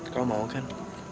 kau mau kan